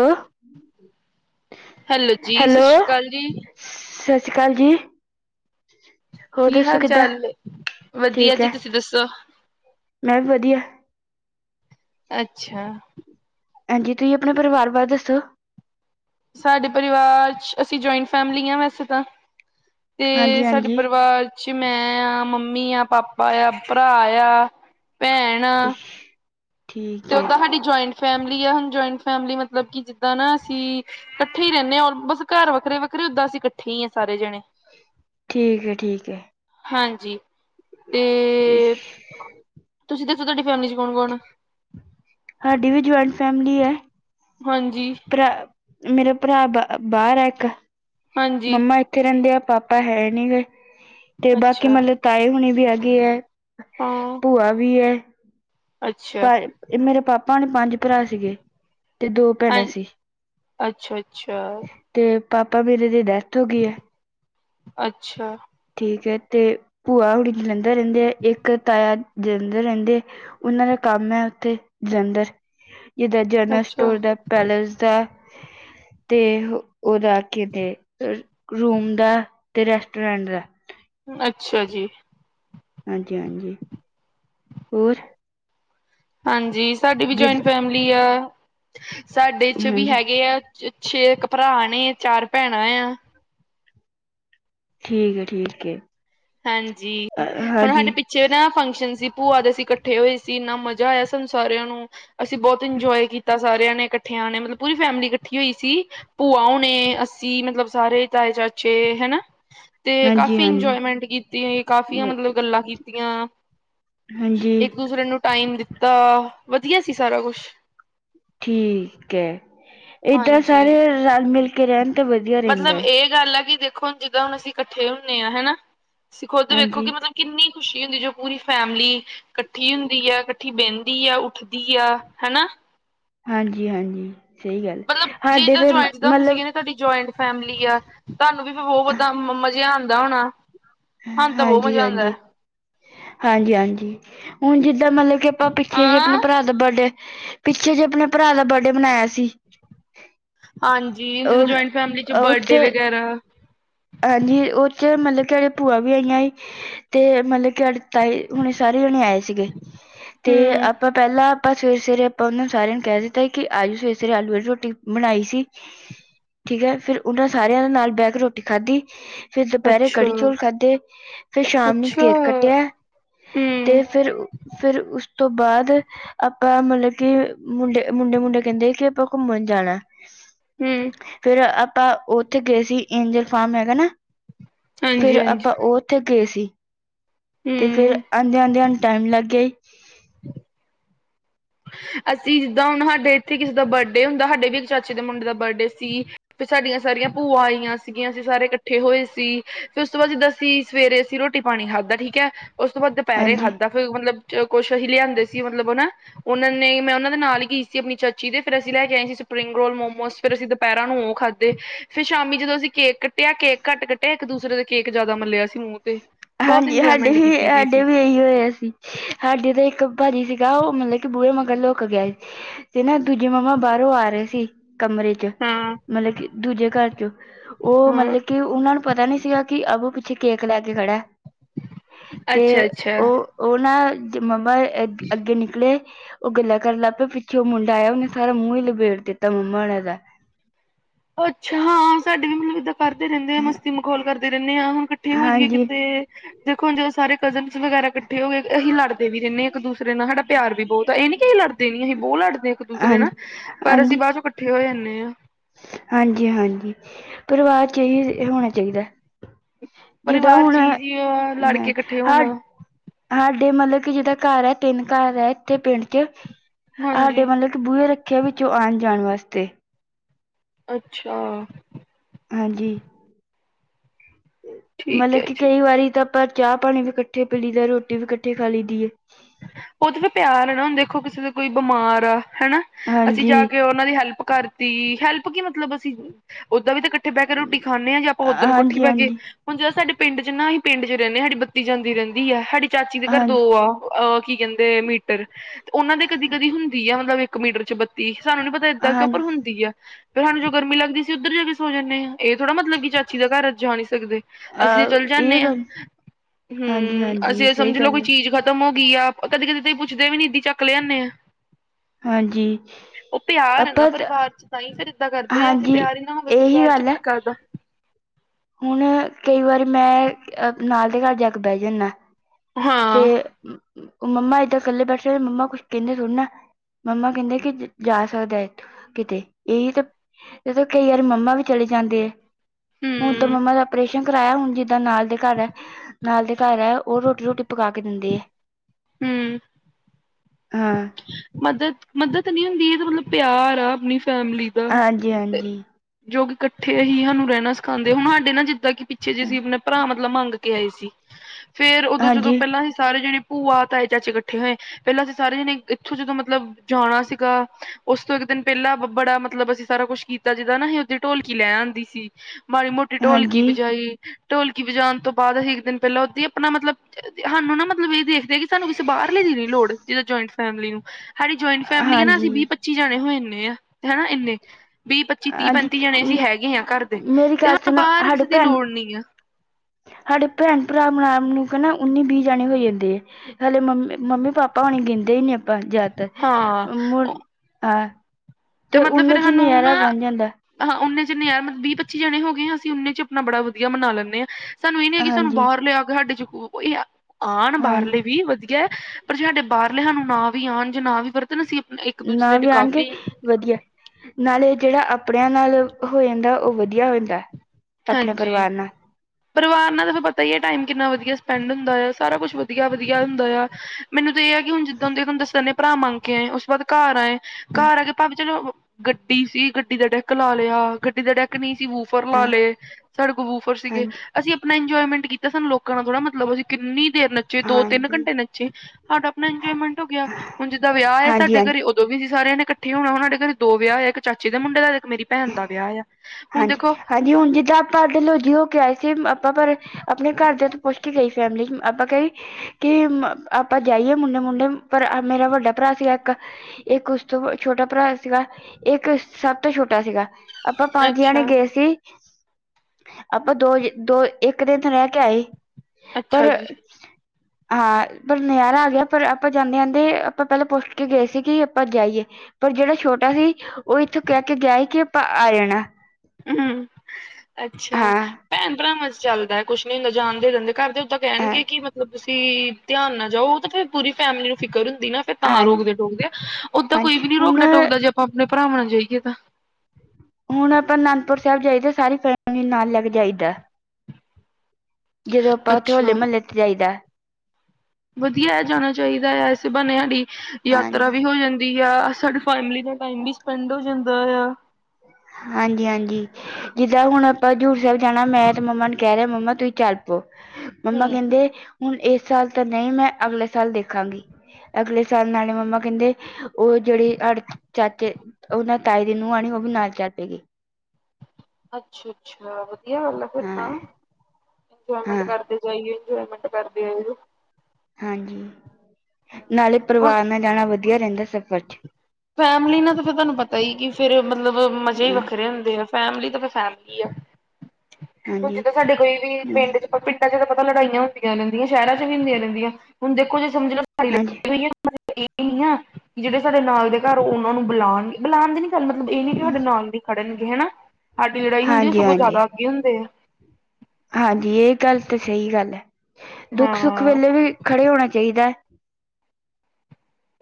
ਅ hello ਜੀ, ਸ਼ਸ਼ੀ ਅਕਾਲ ਜੀ। ਸ਼ਸ਼ੀ ਕਾਲ ਜੀ। ਹੋਰ ਕੀ ਦੱਸੋ ਕਿੱਦਾਂ ਚਾਲ ਏ। ਵਧੀਆ ਠੀਕ ਜੀ ਹੈ ਤੁਸੀਂ ਦੱਸੋ? ਮੈਂ ਵੀ ਵਧੀਆ। ਅੱਛਾ। ਹਾਂਜੀ, ਤੁਸੀ ਆਪਣੇ ਪਰਿਵਾਰ ਬਾਰੇ ਦੱਸੋ? ਸਾਡੇ ਪਰਿਵਾਰ ਚ ਅਸੀ ਜੁਆਇੰਟ ਫੈਮਿਲੀ ਹਾਂ ਵੈਸੇ ਤਾਂ। ਤੇ ਹਾਂਜੀ ਸਾਡੇ ਹਾਂਜੀ ਪਰਿਵਾਰ। ਚ ਮੈਂ ਆ, ਮੰਮੀ ਆ, ਪਾਪਾ ਆ, ਭਰਾ ਆ, ਭੈਣ ਆ। ਇਸ਼, ਤੇ ਠੀਕ ਏ। ਓਦਾਂ ਸਾਡੀ ਜੁਆਇੰਟ ਫੈਮਿਲੀ ਆ ਹੁਣ ਜੁਆਇੰਟ ਫੈਮਿਲੀ ਮਤਲਬ ਕਿ ਜਿੱਦਾਂ ਨਾ ਅਸੀ ਇਕੱਠੇ ਹੀ ਰਹਿੰਦੇ ਹਾਂ ਬਸ ਘਰ ਵੱਖਰੇ-ਵੱਖਰੇ ਓਦਾਂ ਅਸੀਂ ਇਕੱਠੇ ਹੀ ਆ ਸਾਰੇ ਜਾਣੇ। ਠੀਕ ਹੈ- ਠੀਕ ਹੈ। ਹਾਂਜੀ ਇਸ਼, ਤੇ। ਤੁਸੀਂ ਦੱਸੋ? ਤੁਹਾਡੀ ਫੈਮਲੀ ਚ ਕੌਣ- ਕੌਣ ਆ? ਤੁਹਾਡੀ ਵੀ ਜੁਆਇੰਟ ਫੈਮਿਲੀ ਹੈ? ਹਾਂਜੀ। ਭਰਾ ਮੇਰਾ ਭਰਾ ਬ ਬਾਹਰ ਆ ਇੱਕ, ਹਾਂਜੀ ਮੰਮਾ ਉੱਥੇ ਰਹਿੰਦੇ ਆ ਪਾਪਾ ਹੈਨੀਗੇ, ਤੇ ਬਾਕੀ ਅੱਛਾ ਮਤਲਬ ਤਾਏ ਹੋਣੇ ਵੀ ਹੈਗੇ ਹੈ। ਹਾਂ ਭੂਆ ਵੀ ਹੈ। ਅੱਛਾ ਪਰ, ਮੇਰੇ ਪਾਪਾਣੇ ਪੰਜ ਭਰਾ ਸੀਗੇ। ਤੇ ਦੋ ਹਾਂ ਭੈਣਾਂ ਸੀ, ਅੱਛਾ ਅੱਛਾ ਤੇ ਪਾਪਾ ਮੇਰੇ ਦੀ ਡੈਥ ਹੋ ਗਈ ਐ। ਅੱਛਾ। ਠੀਕ ਏ, ਤੇ ਭੂਆ ਹੁਣੀ ਜਲੰਧਰ ਰਹਿੰਦੇ ਆ, ਇੱਕ ਤਾਇਆ ਜਲੰਧਰ ਰਹਿੰਦੇ। ਉਹਨਾਂ ਦਾ ਕੰਮ ਐ ਉੱਥੇ ਜਲੰਧਰ, ਜਿੱਦਾਂ ਜਨਰਲ ਅੱਛਾ ਸਟੋਰ ਦਾ ਪੈਲੇਸ ਦਾ ਏ ਤੇ ਉਹਦਾ ਕੀ ਕਹਿੰਦੇ ਰੂਮ ਦਾ, ਤੇ ਰੈਸਟੋਰੈਂਟ ਦਾ ਅੱਛਾ ਜੀ। ਹਾਂਜੀ-ਹਾਂਜੀ, ਹੋਰ ਹਾਂਜੀ ਸਾਡੀ ਵੀ ਜਿੱਦ ਜੁਆਇੰਟ ਫੈਮਲੀ ਆ, ਸਾਡੇ 'ਚ ਵੀ ਹਾਂਜੀ ਹੈਗੇ ਆ ਛੇ ਕ ਭਰਾ ਨੇ, ਚਾਰ ਭੈਣਾਂ ਆ। ਠੀਕ ਐ -ਠੀਕ ਐ। ਹਾਂਜੀ, ਹੁਣ ਹਾਡੇ ਪਿੱਛੇ ਨਾ ਫੰਕਸ਼ਨ ਸੀ, ਭੂਆ ਦੇ ਅਸੀਂ ਇਕੱਠੇ ਹੋਏ ਸੀ, ਇੰਨਾ ਮਜ਼ਾ ਆਇਆ ਸਾਨੂੰ ਸਾਰਿਆਂ ਨੂੰ। ਅਸੀਂ ਬਹੁਤ ਇੰਜੋਏ ਕੀਤਾ ਸਾਰਿਆਂ ਨੇ, ਇਕੱਠਿਆਂ ਨੇ, ਮਤਲਬ ਪੂਰੀ ਫੈਮਿਲੀ ਇਕੱਠੀ ਹੋਈ ਸੀ। ਭੂਆ ਹੋਣੇ, ਅਸੀਂ ਮਤਲਬ ਸਾਰੇ, ਤਾਏ ਚਾਚੇ ਹੈਨਾ, ਤੇ ਹਾਂਜੀ ਕਾਫੀ ਹਾਂਜੀ ਇੰਜੋਏਮੈਂਟ ਕਾਫੀਆਂ ਵ- ਮਤਲਬ ਗੱਲਾਂ ਕੀਤੀਆਂ, ਇਕ ਦੂਜੇ ਹਾਂਜੀ ਇੱਕ ਦੂਸਰੇ ਨੂੰ ਟਾਈਮ ਦਿੱਤਾ, ਵਧੀਆ ਸੀ ਸਾਰਾ ਕੁਛ। ਠੀਕ ਐ, ਏਦਾਂ ਹਾਂਜੀ ਸਾਰੇ ਰਲ ਮਿਲ ਕੇ ਰਹਿਣ ਤੇ ਵਧੀਆ ਰਹਿੰਦਾ ਮਤਲਬ ਏ। ਇਹ ਗੱਲ ਆ ਕਿ ਦੇਖੋ ਹੁਣ ਜਿੱਦਾਂ ਹੁਣ ਅਸੀਂ ਇਕੱਠੇ ਹੁੰਦੇ ਹਨਾ, ਤੁਸੀਂ ਖੁਦ ਵੇਖੋ, ਕਿ ਹਾਂਜੀ ਮਤਲਬ ਕਿੰਨੀ ਖੁਸ਼ੀ ਹੁੰਦੀ, ਜਦੋਂ ਪੂਰੀ ਫੈਮਿਲੀ ਇਕੱਠੀ ਹੁੰਦੀ ਆ, ਇਕੱਠੀ ਬਹਿੰਦੀ ਆ, ਉੱਠਦੀ ਆ, ਹੈਨਾ। ਹਾਂਜੀ-ਹਾਂਜੀ ਸਹੀ ਗੱਲ ਏ, ਮਤਲਬ ਜੇ ਹਾਡੇ ਜਿੱਦਾਂ ਤੇ ਜੁਆਇੰਟ ਜਿੱਦਾਂ ਤੁਸੀਂ ਮਤਲਬ ਕਹਿੰਦੇ ਤੁਹਾਡੀ ਜੁਆਇੰਟ ਫੈਮਿਲੀ ਆ, ਤੁਹਾਨੂੰ ਵੀ ਬਹੁਤ ਮਜ਼ਾ ਆਉਂਦਾ ਹੋਣਾ? ਸਾਨੂੰ ਤਾਂ ਬਹੁਤ ਮਜ਼ਾ ਆਉਂਦਾ ਹਾਂਜੀ-ਹਾਂਜੀ, ਹੈ। ਹਾਂਜੀ-ਹਾਂਜੀ। ਹੁਣ ਜਿੱਦਾਂ ਮਤਲਬ, ਕਿ ਆਪਾਂ ਪਿੱਛੇ ਜੇ ਆਪਣੇ ਹਾਂ ਭਰਾ ਬਰਡੇ, ਪਿੱਛੇ ਜੇ ਆਪਣੇ ਭਰਾ ਦਾ ਬਰਡੇ ਮਨਾਇਆ ਸੀ। ਹਾਂਜੀ, ਜਦੋਂ ਜੁਆਇੰਟ ਫੈਮਿਲੀ 'ਚ ਉਹ ਬਰਡੇ ਉੱਥੇ ਵਗੈਰਾ ਹਾਂਜੀ ਉਹ 'ਚ ਮਤਲਬ ਕਿ ਭੂਆ ਵੀ ਆਈਆਂ ਸੀ, ਤੇ ਮਤਲਬ ਕਿ ਤਾਈ ਹੁਣੇ ਸਾਰੇ ਜਣੇ ਆਏ ਸੀਗੇ, ਤੇ ਹਮ ਆਪਾਂ ਪਹਿਲਾਂ ਆਪਾਂ ਸਵੇਰ-ਸਵੇਰੇ ਆਪਾਂ ਉਹਨਾਂ ਨੂੰ ਸਾਰਿਆਂ ਨੂੰ ਕਹਿ ਦਿੱਤਾ, ਕਿ ਆਜੂ ਸਵੇਰ ਸਵੇਰੇ ਆਲੂ ਵਾਲੀ ਰੋਟੀ ਬਣਾਈ ਸੀ। ਠੀਕ ਐ, ਫੇਰ ਉਹਨਾਂ ਸਾਰਿਆਂ ਦੇ ਨਾਲ ਬਹਿ ਕੇ ਰੋਟੀ ਖਾਧੀ। ਫਿਰ ਦੁਪਹਿਰੇ ਅੱਛਾ ਕੜੀ ਚੌਲ ਖਾਧੇ, ਫੇਰ ਸ਼ਾਮ ਨੂੰ ਅੱਛਾ ਕੇਕ ਕੱਟਿਆ। ਤੇ ਹਮ ਫਿਰ, ਫੇਰ ਉਸ ਤੋਂ ਬਆਦ ਆਪਾਂ ਮਤਲਬ ਕਿ ਮੁੰਡੇ, ਮੁੰਡੇ-ਮੁੰਡੇ ਕਹਿੰਦੇ ਕਿ ਆਪਾਂ ਘੁੰਮਣ ਜਾਣਾ। ਹਮ। ਫੇਰ ਆਪਾਂ ਉੱਥੇ ਗਏ ਸੀ, ਏਂਜਲ ਫਾਰਮ ਹੈਗਾ ਨਾ, ਫੇਰ ਹਾਂਜੀ-ਹਾਂਜੀ ਆਪਾਂ ਉਹ ਉੱਥੇ ਗਏ ਸੀ ਤੇ ਫਿਰ ਹੂੰ ਆਉਂਦਿਆਂ ਆਉਂਦਿਆਂ ਨੂੰ ਟਾਈਮ ਲੱਗ ਗਿਆ ਹੀ [inaudible] ਅਸੀਂ ਜਿੱਦਾਂ ਹੁਣ ਸਾਡੇ ਇੱਥੇ ਕਿਸੇ ਦਾ ਬਰਡੇ ਹੁੰਦਾ, ਸਾਡੇ ਵੀ ਇੱਕ ਚਾਚੇ ਦੇ ਮੁੰਡੇ ਦਾ ਬਰਡੇ ਸੀ। ਫਿਰ ਸਾਡੀਆਂ ਸਾਰੀਆਂ ਭੂਆ ਆਈਆਂ ਸੀਗੀਆਂ, ਅਸੀਂ ਸਾਰੇ ਇਕੱਠੇ ਹੋਏ ਸੀ ਫਿਰ ਉਸ ਤੋਂ ਬਾਅਦ ਜਿੱਦਾਂ ਅਸੀਂ ਸਵੇਰੇ ਅਸੀਂ ਰੋਟੀ ਪਾਣੀ ਖਾਧਾ ਠੀਕ ਐ ਉਸ ਤੋਂ ਦੁਪਹਿਰੇ ਹਾਂਜੀ ਖਾਧਾ ਫਿਰ ਮਤਲਬ ਕੁੱਛ ਅਸੀ ਲਿਆਦੇ ਸੀ ਮਤਲਬ ਓਨਾ ਉਹਨਾਂ ਨੇ ਮੈਂ ਉਹਨਾਂ ਦੇ ਨਾਲ ਈ ਗਈ ਸੀ ਆਪਣੀ ਚਾਚੀ ਦੇ ਫੇਰ ਅਸੀਂ ਲੈ ਕੇ ਆਏ ਸੀ ਸਪਰਿੰਗ ਰੋਲ, ਮੋਮੋਸ ਅਸੀਂ ਦੁਪਹਿਰਾਂ ਨੂੰ ਉਹ ਖਾ ਫੇਰ ਸ਼ਾਮੀ ਜਦੋਂ ਅਸੀਂ ਕੇਕ ਕੱਟਿਆ- ਕੇਕ ਘੱਟ ਕੱਟਿਆ ਇੱਕ ਦੂਸਰੇ ਦੇ ਕੇਕ ਜ਼ਿਆਦਾ ਮਲਿਆ ਸੀ ਮੂੰਹ ਤੇ ਬਹੁਤ ਹਾਂਜੀ, ਸਾਡੇ ਇੰਜੋਏਮੈਂਟ ਵੀ ਕੀਤੀ ਸੀ ਸਾਡੇ ਅਸੀਂ ਵੀ ਇਹੀ ਹੋਇਆ ਸੀ। ਸਾਡੇ ਤਾਂ ਇੱਕ ਭਾਜੀ ਸੀਗਾ ਉਹ ਮਤਲਬ ਕਿ ਬੂਹੇ ਮਗਰ ਲੁੱਕ ਗਿਆ ਸੀ। ਤੇ ਨਾ ਦੂਜੇ ਮੰਮਾ ਬਾਹਰੋਂ ਆ ਰਹੇ ਸੀ ਕਮਰੇ ਚ ਹਾਂ ਮਤਲਬ ਕਿ ਦੂਜੇ ਘਰ ਚ ਉਹ ਹਾਂ ਮਤਲਬ ਕਿ ਉਹਨਾਂ ਨੂੰ ਪਤਾ ਨੀ ਸੀਗਾ ਕਿ ਅਬ ਵੋਪਿੱਛੇ ਕੇਕ ਲੈ ਕੇ ਖੜਾ। ਤੇ ਅੱਛਾ-ਅੱਛਾ। ਉਹ- ਉਹ ਨਾ ਮੰਮਾ ਦੇ ਅੱਗੇ ਨਿਕਲੇ। ਉਹ ਗੱਲਾਂ ਕਰਨ ਲੱਗ ਪਏ ਪਿੱਛੇ ਉਹ ਮੁੰਡਾ ਆਇਆ ਉਹਨੇ ਸਾਰਾ ਮੂੰਹ ਹੀ ਲਬੇੜ ਦਿੱਤਾ ਮੰਮਾ ਦਾ ਤਾ ਅੱਛਾ ਹਾਂ ਸਾਡੇ ਵੀ ਮਤਲਬ ਏਦਾਂ ਕਰਦੇ ਰਹਿੰਦੇ ਆ ਮਸਤੀ ਮਖੌਲ ਕਰਦੇ ਰਹਿੰਦੇ ਆਂ ਹੁਣ ਇਕੱਠੇ ਹੋ ਜਾਈਏ ਹਾਂਜੀ ਕਿਤੇ ਦੇਖੋ ਹੁਣ ਜਦੋਂ ਸਾਰੇ ਕਜਸਨ ਵਗੈਰਾ ਤੇ ਉਹ ਅਸੀਂ ਲੜਦੇ ਵੀ ਰਹਿੰਨੇ ਇੱਕ ਦੂਸਰੇ ਨਾਲ ਸਾਡਾ ਪਿਆਰ ਵੀ ਬਹੁਤ ਆ। ਇਹ ਨੀ ਕੇ ਲੜਦੇ ਨੀ ਅਸੀਂ ਲੜਦੇ ਹਾਂ ਇੱਕ ਦੂਸਰੇ ਹਾਂਜੀ ਨਾਲ। ਪਰ ਅਸੀਂ ਹਾਂਜੀ ਬਾਅਦ ਚੋਂ ਇਕੱਠੇ ਹੋ ਜਾਂਦੇ ਹਾਂ। ਹਾਂਜੀ -ਹਾਂਜੀ ਪਰਿਵਾਰ 'ਚ ਇਹੀ ਹੋਣਾ ਚਾਹੀਦਾ। ਜਿੱਦਾਂ ਪਰਿਵਾਰ ਹੁਣ ਚੀਜ਼ ਹੀ ਆ ਲੜ ਕੇ ਹੈ ਇਕੱਠੇ ਹੋਣਾ ਸਾਡੇ ਮਤਲਬ ਕਿ ਜਿੱਦਾਂ ਘਰ ਹੈ ਤਿੰਨ ਘਰ ਹੈ ਇੱਥੇ ਪਿੰਡ 'ਚ 'ਸਾਡੇ ਹਾਂਜੀ ਮਤਲਬ ਬੂਹੇ ਰੱਖੇ ਆ ਵਿੱਚੋਂ ਆਉਣ ਜਾਣ ਵਾਸਤੇ। ਅੱਛਾ। ਹਾਂਜੀ। ਠੀਕ ਮਤਲਬ ਹੈ ਕਿ ਜੀ। ਕਈ ਵਾਰੀ ਤਾਂ ਆਪਾਂ ਚਾਹ ਪਾਣੀ ਵੀ ਇਕੱਠੇ ਪੀ ਲਈ ਦਾ ਰੋਟੀ ਵੀ ਇਕੱਠੇ ਖਾ ਲਈ ਦੀ ਹੈ। ਉਹ ਤੇ ਫਿਰ ਪਿਆਰ ਹੈ ਨਾ ਹੁਣ ਦੇਖੋ ਕਿਸੇ ਦਾ ਕੋਈ ਬਿਮਾਰ ਆ ਹਨਾ। ਅਸੀਂ ਹਾਂਜੀ ਜਾ ਕੇ ਉਹਨਾਂ ਦੀ ਹੈਲਪ ਕਰਤੀ ਹੈਲਪ ਕੀ ਮਤਲਬ ਅਸੀਂ ਓਦਾਂ ਵੀ ਤਾਂ ਇਕੱਠੇ ਬਹਿ ਕੇ ਰੋਟੀ ਖਾਂਦੇ ਆਂ ਜੇ ਆਪਾਂ ਓਦਾਂ ਨੂੰ ਕੱਠੇ ਹਾਂਜੀ ਬਹਿ ਕੇ ਹਾਂਜੀ ਹੁਣ ਜਦੋਂ ਸਾਡੇ ਪਿੰਡ ਚ ਨਾ ਅਸੀਂ ਪਿੰਡ ਚ ਰਹਿੰਦੇ ਹਾਂ ਸਾਡੀ ਬੱਤੀ ਜਾਂਦੀ ਰਹਿੰਦੀ ਆ ਸਾਡੀ ਚਾਚੀ ਦੇ ਘਰ ਦੋ ਹਾਂਜੀ ਆ। ਅਹ ਕੀ ਕਹਿੰਦੇ ਮੀਟਰ ਤੇ ਉਹਨਾਂ ਦੇ ਕਦੀ -ਕਦੀ ਹੁੰਦੀ ਆ ਮਤਲਬ ਇੱਕ ਮੀਟਰ ਚ ਬੱਤੀ ਸਾਨੂੰ ਨੀ ਪਤਾ ਏਦਾਂ ਕਿਉਂ ਪਰ ਹਾਂਜੀ ਹੁੰਦੀ ਹੈ। ਫਿਰ ਸਾਨੂੰ ਜਦੋ ਗਰਮੀ ਲੱਗਦੀ ਸੀ ਉੱਧਰ ਜਾ ਕੇ ਸੋ ਜਾਂਦੇ ਹਾਂ। ਇਹ ਥੋੜਾ ਮਤਲਬ ਕਿ ਚਾਚੀ ਦਾ ਘਰ ਆ ਜਾ ਨੀਂ ਸਕਦੇ। ਅਸੀਂ ਤਾਂ ਚਲੇ ਅ ਇਹ ਜਾਂਦੇ ਹਾਂ ਗੱਲ ਹਾਂਜੀ ਹਮ ਹਾਂਜੀ ਅਸੀਂ ਸਹੀ ਸਮਝ ਲਓ ਕੋਈ ਗੱਲ ਹੈ ਚੀਜ਼ ਖ ਖਤਮ ਹੋ ਗਈ ਆ ਕਦੇ- ਕਦੇ ਤੁਸੀ ਪੁੱਛਦੇ ਵੀ ਨੀ ਏਂਦਾ ਈ ਚੱਕ ਲਿਆਦੇ ਆ। ਹਾਂਜੀ ਉਹ ਪਿਆਰ ਹੈ ਨਾ ਆਪਾਂ ਤਾਂ- ਪਰਿਵਾਰ ਚ ਤਾਂ ਹੀ ਫ਼ਿਰ ਏਦਾਂ ਕਰਦੇ ਆ ਜੇ ਹਾਂਜੀ ਪਿਆਰ ਹੀ ਨਾ ਹੋਵੇ ਇਹੀ ਪਰਿਵਾਰ ਚ ਫਿਰ ਗੱਲ ਹੈ ਚਿੱਤ ਕਰਦਾ। ਹੁਣ ਕਈ ਵਾਰੀ ਮੈਂ ਨਾਲ ਦੇ ਘਰ ਜਾ ਕੇ ਬਹਿ ਜਾਨਾ। ਤੇ ਹਾਂ, ਮੰਮਾ ਇੱਧਰ ਕੱਲੇ ਬੈਠੇ ਰਹੇ ਮੰਮਾ ਕੁਛ ਕਹਿੰਦੇ ਥੋੜ੍ਹੀ ਨਾ। ਮੰਮਾ ਕਹਿੰਦੇ ਕਿ ਜਾ ਸਕਦਾ ਕਿਤੇ ਇਹੀ ਤਾਂ ਤੇ ਕਈ ਵਾਰੀ ਮੰਮਾ ਵੀ ਚਲੇ ਜਾਂਦੇ ਆ ਹੁਣ ਤਾਂ ਹੂੰ। ਮੰਮਾ ਦਾ ਆਪਰੇਸ਼ਨ ਕਰਵਾਇਆ ਹੁਣ ਜਿੱਦ ਤਾਂ ਨਾਲ ਦੇ ਘਰ ਹੈ ਨਾਲ ਦੇ ਘਰ ਹੈ ਉਹ ਰੋਟੀ -ਰੂਟੀ ਪਕਾ ਕੇ ਦਿੰਦੀ ਐ। ਹਮ। ਹਾਂ। ਮੱਦਦ -ਮੱਦਦ ਨੀ ਹੁੰਦੀ। ਇਹ ਤਾਂ ਮਤਲਬ ਪਿਆਰ ਆ ਆਪਣੀ ਫੈਮਿਲੀ ਦਾ। ਤੇ ਹਾਂਜੀ-ਹਾਂਜੀ। ਜੋ ਕਿ ਇਕੱਠੇ ਹੀ ਸਾਨੂੰ ਰਹਿਣਾ ਸਿਖਾਉਂਦੇ ਹੁਣ ਸਾਡੇ ਨਾ ਜਿੱਦਾਂ ਕਿ ਪਿੱਛੇ ਜੇ ਅਸੀਂ ਆਪਣਾ ਭਰਾ ਮਤਲਬ ਮੰਗ ਕੇ ਆਏ ਸੀ। ਫੇਰ ਉਦੋਂ ਜਦੋਂ ਹਾਂਜੀ ਪਹਿਲਾਂ ਹੀ ਸਾਰੇ ਜਣੇ ਭੂਆ ਤਾਏ ਚਾਚੇ ਇਕੱਠੇ ਹੋਏ, ਪਹਿਲਾਂ ਅਸੀਂ ਸਾਰੇ ਜਣੇ ਇੱਥੋਂ ਜਦੋਂ ਮਤਲਬ ਜਾਣਾ ਸੀਗਾ ਉਸ ਤੋਂ ਇੱਕ ਦਿਨ ਪਹਿਲਾਂ ਬੜਾ ਮਤਲਬ ਅਸੀਂ ਸਾਰਾ ਕੁੱਛ ਕੀਤਾ ਜਿੱਦਾਂ ਨਾ ਅ ਉਹਦੀ ਢੋਲਕੀ ਲੈ ਆਉਂਦੀ ਸੀ। ਮਾੜੀ-ਮੋਟੀ ਢੋਲਕੀ ਹਾਂਜੀ ਵਜਾਈ ਢੋਲਕੀ ਵਜਾਉਣ ਤੋਂ ਬਾਅਦ ਅਸੀਂ ਇੱਕ ਦਿਨ ਪਹਿਲਾਂ ਓਦੀ ਆਪਣਾ ਮਤਲਬ ਸਾਨੂੰ ਨਾ ਮਤਲਬ ਇਹ ਦੇਖਦੇ ਆ, ਕਿ ਸਾਨੂੰ ਕਿਸੇ ਬਾਹਰਲੇ ਦੀ ਨੀ ਲੋੜ। ਜਿੱਦਾਂ ਜਆਇੰਟ ਫੈਮਲੀ ਨੂੰ ਸਾਡੀ ਜੁਆਇੰਟ ਫੈਮਿਲੀ ਹੈ ਨਾ ਅਸੀਂ ਹਾਂਜੀ ਵੀਹ- ਪੱਚੀ ਜਾਣੇ ਹੋਏ ਇਦੇ ਆ ਹਨਾ ਇੰਨੇ ਵੀਹ- ਪੱਚੀ ਹਾਂਜੀ ਤੀਹ-ਪੈਂਤੀ ਜਣੇ ਅਸੀ ਹੈਗੇ ਹਾਂ ਘਰ ਦੇ ਮੇਰੀ ਤੇ ਗੱਲ ਹੁਣ ਸੁਣੋ ਬਾਹਰ ਸਾਡੇ ਕਿਸੇ ਦੀ ਭੈਣ ਲੋੜ ਨਹੀ ਆ। ਸਾਡੇ ਭੈਣ-ਭਰਾ ਮਣਾ- ਮੁਨੇ ਕੇ ਨਾ ਉੱਨੀ- ਵੀਹ ਜਾਣੇ ਹੋ ਜਾਂਦੇ ਹੈ। ਹਾਲਲੇ ਮੰਮੀ ਮੰਮੀ ਪਾਪਾ ਹੁਣੀ ਗਿਣਦੇ ਹੀ ਨਹੀ ਆਪਾਂ ਜਿਆਦਾਤਰ ਹਾਂ [unintelligible] ਹਾਂ। ਤੇ ਉਹ ਮਤਲਬ ਫਿਰ ਨੇ'ਚ' ਹੀ ਸਾਨੂੰ ਨਜ਼ਾਰਾ ਨਾ ਬਣ ਜਾਂਦਾ। ਹਾਂ ਉਹਨੇ ਚ ਨਜ਼ਾਰਾ ਵੀਹ-ਪੱਚੀ ਜਣੇ ਹੋ ਗਏ ਆ ਅਸੀ ਉਹਨੇ ਆਪਣਾ ਬੜਾ ਵਧੀਆ ਮਨਾ ਲੈਂਦੇ ਹਾਂ। ਸਾਨੂੰ ਇਹ ਹੈ ਕਿ ਸਾਨੂੰ ਹਾਂਜੀ ਬਾਹਰਲੇ ਕੇ ਸਾਡੇ ਚੂ ਆਉਣ ਹਾਂਜੀ ਬਾਹਰਲੇ ਵੀ ਵਧੀਆ ਪਰ ਜੇ ਸਾਡੇ ਬਾਹਰਲੇ ਸਾਨੂੰ ਨਾ ਵੀ ਆਉਣ ਜੇ ਨਾ ਵੀ ਵਰ ਨਾ ਵੀ ਆਣਗੇ ਵਧੀਆ। ਨਾਲੇ ਜਿਹੜਾ ਆਪਣਿਆਂ ਨਾਲ ਹੋ ਜਾਂਦਾ ਉਹ ਵਧੀਆ ਹੁੰਦਾ। ਹਾਂਜੀ। ਪਰਿਵਾਰ ਨਾਲ ਫਿਰ ਪਤਾ ਈ ਆ ਟਾਈਮ ਕਿੰਨਾ ਵਧੀਆ ਸਪੈਂਡ ਹੁੰਦਾ ਆ। ਸਾਰਾ ਕੁਛ ਵਧੀਆ- ਵਧੀਆ ਹੁੰਦਾ ਆ। ਮੈਨੂੰ ਤੇ ਇਹ ਕਿ ਹੁਣ ਜਿਦਣ ਦੇ ਸੋਨੂੰ ਦੱਸੀ ਤਾਂ ਜਾਂਦੀ ਆ ਭਰਾ ਮੰਗ ਕੇ ਆਏ। ਉਸ ਤੋਂ ਬਾਅਦ ਘਰ ਆਏ। ਹਾਂ ਘਰ ਆ ਕੇ ਭਾਬੀ ਚਲੋ। ਗੱਡੀ ਸੀ। ਗੱਡੀ ਦਾ ਡੈਕ ਲਾ ਲਿਆ। ਗੱਡੀ ਦਾ ਡੈਕ ਨਹੀਂ ਸੀ ਵੂਫਰ ਲਾ ਹਾਂ ਲਏ। ਸਾਡੇ ਬੂਫਰ ਸੀਗੇ ਹਾਂਜੀ ਅਸੀ ਆਪਣਾ ਇੰਜੋਏਮੈਂਟ ਕੀਤਾ ਸਾਨੂੰ ਲੋਕਾਂ ਨਾਲ ਥੋੜਾ ਮਤਲਬ ਅਸੀ ਕਿੰਨੀ ਦੇਰ ਨੱਚੇ। ਜੇ ਦੋ- ਤਿੰਨ ਹਾਂਜੀ, ਘੰਟੇ ਨੱਚੇ। ਸਾਡਾ ਆਪਣਾ ਇੰਜੋਏਮੈਂਟ ਹੋ ਗਿਆ ਹੁਣ ਜਿੱਦਾਂ ਵਿਆਹ ਹੈ ਹਾਂਜੀ, ਸਾਡੇ ਹਾਂਜੀ। ਘਰੇ। ਦੋਵੇ ਸੀ ਸਾਰਿਆਂ ਨੇ ਇਕੱਠੇ ਹੋਣਾ ਉਹਡੇ ਘਰ ਦੋ ਵਿਆਹ ਏ। ਇੱਕ ਚਾਚੀ ਦੇ ਮੁੰਡੇ ਦਾ ਇੱਕ ਮੇਰੀ ਭੈਣ ਦਾ ਵਿਆਹ ਆ। ਹੁਣ ਦੇਖੋ ਹਾਂਜੀ-ਹਾਂਜੀ, ਹੁਣ ਜਿੱਦਾਂ ਆਪਾਂ ਡਲਹੌਜੀ ਹੋ ਕੇ ਆਏ ਸੀ। ਆਪਾਂ ਪਰ ਆਪਣੇ ਘਰਦਿਆਂ ਤੋਂ ਪੁੱਛ ਕੇ ਗਈ ਫੈਮਿਲੀ 'ਚ' ਆਪਾਂ ਕਈ ਕਿ ਆਪਾਂ ਜਾਈਏ ਮੁੰਡੇ- ਮੁੰਡੇ, ਪਰ ਮੇਰਾ ਵੱਡਾ ਭਰਾ ਸੀ। ਇੱਕ ਇੱਕ ਉਸ ਤੋਂ ਛੋਟਾ ਭਰਾ ਸੀਗਾ। ਇੱਕ ਸਭ ਤੋਂ ਛੋਟਾ ਸੀਗਾ ਆਪਾਂ। ਪੰਜ ਜਾਣੇ ਅੱਛਾ ਗਏ ਸੀ। ਆਪਾਂ ਦੋ-ਦੋ, ਇੱਕ ਦਿਨ ਤੇ ਰਹਿ ਕੇ ਆਏ। ਅੱਛਾ ਪਰ ਜੀ ਹਾਂ, ਪਰ ਨਜ਼ਾਰਾ ਆ ਗਿਆ। ਪਰ ਆਪਾਂ ਜਾਂਦੇ- ਜਾਂਦੇ ਆਪਾਂ ਪਹਿਲਾਂ ਪੁੱਛ ਕੇ ਗਏ ਸੀ ਕਿ ਆਪਾਂ ਜਾਈਏ। ਪਰ ਜਿਹੜਾ ਛੋਟਾ ਸੀ, ਉਹ ਇਥੋ ਕਹਿ ਗਿਆ ਸੀ ਕਿ ਆਪਾਂ ਆ ਜਾਣਾ। ਹੂੰ ਅੱਛਾ, ਹਾਂ ਭੈਣ -ਭਰਾਂਵਾ ਚੱਲਦਾ। ਕੁਛ ਨੀ ਹੁੰਦਾ ਜਾਣਦੇ ਰਹਿੰਦੇ। ਘਰਦੇ ਉਦਾ ਹਾਂ ਕਹਿਣਗੇ ਕਿ ਮਤਲਬ ਤੁਸੀਂ ਧਿਆਨ ਨਾਲ ਜਾਓ। ਉਹ ਤਾਂ ਫੇਰ ਪੂਰੀ ਫੈਮਿਲੀ ਨੂੰ ਫ਼ਿਕਰ ਹੁੰਦੀ ਨਾ ਫਿਰ ਤਾਂ ਹਾਂਜੀ ਰੋਕਦੇ -ਟੋਕਦੇ ਆ। ਉਦਾਂ ਕੋਈ ਹਾਂਜੀ ਵੀ ਨੀ ਹੁਣ ਰੋਕਦਾ ਟੋਕਦਾ, ਜੇ ਆਪਾਂ ਆਪਣੇ ਭਰਾਵਾਂ ਨਾਲ ਜਾਈਏ ਤਾਂ। ਹੁਣ ਆਪਾਂ ਅਨੰਦਪੁਰ ਸਾਹਿਬ ਜਾਈਦਾ। ਸਾਰੀ ਫੈਮਲੀ ਨੂੰ ਨਾਲ ਲੈ ਕੇ ਜਾਈਦਾ। ਜਦੋਂ ਆਪਾਂ ਉੱਥੇ ਹੋਲੇ ਅੱਛਾ - ਮਹੱਲੇ ਤੇ ਜਾਈਦਾ। ਵਧੀਆ ਐ, ਜਾਣਾ ਚਾਹੀਦਾ ਏ। ਇਸੇ ਬਹਾਨੇ ਸਾਡੀ ਯਾਤਰਾ ਹਾਂਜੀ ਵੀ ਹੋ ਜਾਂਦੀ ਆ ਫੈਮਲੀ ਨਾਲ ਟਾਈਮ ਵੀ ਸਪੈਂਡ ਹੋ ਜਾਂਦਾ ਆ। ਹਾਂਜੀ - ਹਾਂਜੀ, ਜਿੱਦਾਂ ਹੁਣ ਆਪਾਂ ਹਜ਼ੂਰ ਸਾਹਿਬ ਜਾਣਾ ਮੈਂ ਤੇ ਮੰਮਾ ਨੂੰ ਕਹਿ ਰਿਹਾ ਮੰਮਾ ਤੁਸੀ। ਚੱਲ ਪੋ, ਮੰਮਾ ਹਮ ਕਹਿੰਦੇ ਹੁਣ ਇਸ ਸਾਲ ਤਾਂ ਨਹੀਂ ਮੈਂ ਅਗਲੇ ਸਾਲ ਦੇਖਾਂਗੀ। ਅਗਲੇ ਸਾਲ ਨਾਲੇ ਮੰਮਾ ਕਹਿੰਦੇ ਉਹ ਜਿਹੜੇ ਅੜਕ ਚਾਚੇ ਉਹਨਾਂ ਤਾਏ ਦੀ ਨੂੰਹ ਆਣੀ ਉਹ ਵੀ ਨਾਲ ਚਲ ਪੇ ਗੀ। ਅੱਛਾ-ਅੱਛਾ ਵਧੀਆ ਗੱਲ ਆ ਫੇਰ ਹਾਂ ਤਾਂ। ਇੰਜੁਆਏਮੈਂਟ ਹਾਂ ਕਰਦੇ ਜਾਈਏ, ਇੰਜੁਆਏਮੈਂਟ ਕਰਦੇ ਆਈਏ। ਹਾਂਜੀ, ਨਾਲੇ ਹੁਣ ਪਰਿਵਾਰ ਨਾਲ ਜਾਣਾ ਵਧੀਆ ਰਹਿੰਦਾ ਸਫ਼ਰ 'ਚ'। ਫੈਮਲੀ ਨਾਲ ਤਾਂ ਫਿਰ ਤੁਹਾਨੂੰ ਪਤਾ ਈ। ਕਿ ਫੇਰ ਮਤਲਬ ਮਜ਼ੇ ਹਾਂ ਵੱਖਰੇ ਹੁੰਦੇ ਆ। ਫੈਮਲੀ ਤਾਂ ਫਿਰ ਫੈਮਲੀ ਆ। ਹੁਣ ਹਾਂਜੀ ਜਿਦਾਂ ਸਾਡੇ ਕੋਈ ਵੀ ਹਮ ਪਿੰਡ 'ਚ' ਪਰ ਪਿੰਡਾਂ 'ਚ' ਤਾਂ ਪਤਾ ਲੜਾਈਆਂ ਹੁੰਦੀਆਂ ਰਹਿੰਦੀਆਂ। ਸ਼ਹਿਰਾਂ 'ਚ' ਵੀ ਹੁੰਦੀਆਂ ਰਹਿੰਦੀਆਂ। ਹੁਣ ਦੇਖੋ ਜੇ ਸਮਝ ਹਾਂਜੀ ਜਿਹੜੇ ਸਾਡੇ ਨਾਲ ਦੇ ਘਰ ਉਹਨਾਂ ਨੂੰ ਬੁਲਾਉਣ ਗੇ, ਬੁਲਾਉਣ ਦੇ ਨੀ ਚੱਲ ਮਤਲਬ ਇਹ ਨੀ ਕਿ ਸਾਡੇ ਨਾਲ ਵੀ ਖੜਨਗੇ ਹਨਾ। ਸਾਡੀ ਲੜਾਈ ਹੁੰਦੀ ਉਹ ਹਾਂਜੀ ਸਗੋਂ ਹਾਂਜੀ ਜ਼ਿਆਦਾ ਅੱਗੇ ਹੁੰਦੇ ਆ। ਹਾਂਜੀ, ਇਹ ਗੱਲ ਤਾਂ ਸਹੀ ਗੱਲ ਏ। ਦੁੱਖ-ਸੁੱਖ ਹਾਂ। ਵੇਲੇ ਵੀ ਖੜੇ ਹੋਣਾ ਚਾਹੀਦਾ।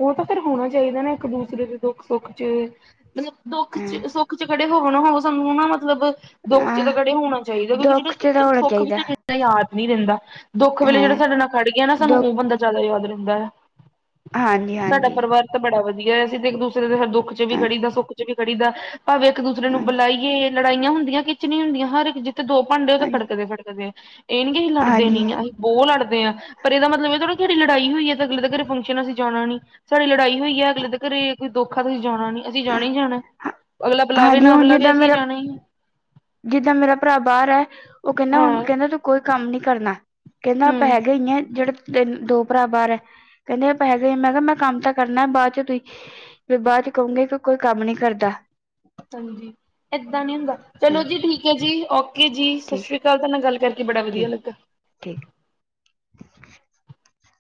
ਉਹ ਤਾਂ ਫਿਰ ਹੋਣਾ ਚਾਹੀਦਾ ਨਾ। ਇੱਕ ਦੂਸਰੇ ਦੇ ਦੁੱਖ- ਸੁੱਖ 'ਚ', ਮਤਲਬ ਦੁੱਖ ਚ ਹਾਂ ਸੁੱਖ 'ਚ' ਖੜੇ ਹੋਵੋ ਨਾ ਹੋਵੋ, ਸਾਨੂੰ ਨਾ ਮਤਲਬ ਦੁੱਖ 'ਚ' ਤਾਂ ਖੜੇ ਹਾਂ ਹੋਣਾ ਚਾਹੀਦਾ। ਕਿਉਂਕਿ ਜਿਹੜਾ ਦੁੱਖ ਚ ਤਾਂ ਹੋਣਾ ਸੁੱਖ ਵੀ ਚਾਹੀਦਾ ਤਾ ਸਾਨੂੰ ਯਾਦ ਨੀ ਰਹਿੰਦਾ। ਦੁੱਖ ਵੇਲੇ ਜਿਹੜਾ ਹਾਂ ਸਾਡੇ ਨਾਲ ਖੜ ਗਿਆ ਨਾ ਸਾਨੂੰ ਦੁੱਖ ਉਹ ਬੰਦਾ ਜ਼ਿਆਦਾ ਯਾਦ ਰਹਿੰਦਾ ਐ। ਹਾਂਜੀ ਸਾਡਾ ਹਾਂਜੀ ਪਰਿਵਾਰ ਤਾ ਬੜਾ ਵਧੀਆ ਅਸੀਂ ਤੇ ਇੱਕ ਦੂਸਰੇ ਦੇ ਦੁੱਖ 'ਚ'ਵੀ ਹਾਂ ਖੜੀ ਦਾ ਸੁੱਖ 'ਚ' ਵੀ ਖੜੀ ਦਾ। ਭਾਵੇਂ ਇੱਕ ਦੂਸਰੇ ਨੂੰ ਹਾਂਜੀ ਬੁਲਾਈਏ, ਲੜਾਈਆਂ ਹੁੰਦੀਆਂ ਕੀਚ ਨੀ ਹੁੰਦੀਆਂ, ਹਰ ਇੱਕ ਜਿੱਥੇ ਦੋ ਭਾਂਡੇ ਉਹ ਤਾਂ ਹਾਂਜੀ ਖੜਕਦੇ-ਖੜਕਦੇ ਇਹ ਨੀ ਅਸੀਂ ਲੜਦੇ ਨੀ ਹਾਂਜੀ ਅਸੀ ਬਹੁਤ ਲੜਦੇ ਆ। ਪਰ ਇਹਦਾ ਮਤਲਬ ਇਹ ਥੋੜਾ ਸਾਡੀ ਲੜਾਈ ਹੋਈ ਹੈ ਤੇ ਅਗਲੇ ਦੇ ਘਰੇ ਫੰਕਸ਼ਨ ਅਸੀਂ ਜਾਣਾ ਨੀ। ਸਾਡੀ ਲੜਾਈ ਹੋਈ ਐ। ਅਗਲੇ ਦੇ ਘਰੇ ਕੋਈ ਦੁੱਖ ਤਾਂ ਅਸੀਂ ਜਾਣਾ ਨੀ, ਅਸੀਂ ਹਾਂ- ਜਾਣਾ ਈ ਜਾਣਾ ਅਗਲਾ ਬੁਲਾਵੇ ਹਾਂਜੀ ਨਾ ਹੁਣ ਬੁਲਾਵੇ ਜਿੱਦਾਂ ਅਸੀਂ ਮੇਰਾ ਜਾਣਾ ਈ ਆ। ਜਿੱਦਾਂ ਮੇਰਾ ਭਰਾ ਬਾਹਰ ਆ ਉਹ ਕਹਿੰਦਾ ਹੁਣ ਹਾਂ, ਕਹਿੰਦਾ ਤੂੰ ਕੋਈ ਕੰਮ ਨੀ ਕਰਨਾ। ਕਹਿੰਦਾ, ਆਪਾਂ ਹੂੰ, ਹੈਗੇ ਈ ਆ ਜਿਹੜੇ ਤੂ ਤੇ ਦੋ ਭਰਾ ਬਾਹਰ ਐ, ਕਹਿੰਦੇ ਹੈਗੇ ਮੈਂ ਕਿਹਾ ਮੈਂ ਕੰਮ ਤਾਂ ਕਰਨਾ ਬਾਅਦ 'ਚ' ਤੁਸੀਂ ਫੇਰ ਬਾਅਦ 'ਚ' ਕਹੂੰਗੇ ਕਿ ਕੋਈ ਕੰਮ ਨੀ ਕਰਦਾ। ਹਾਂਜੀ, ਏਦਾਂ ਨੀ ਹੁੰਦਾ ਚਲੋ ਹਮ, ਜੀ ਠੀਕ ਐ ਜੀ, ਓਕੇ ਜੀ, ਠੀਕ ਸ਼ਾਸਰੀ ਕਾਲ, ਤੁਹਾ ਗੱਲ ਕਰਕੇ ਇਹ ਬੜਾ ਵਧੀਆ ਲੱਗਾ। ਠੀਕ। ' [inaudible]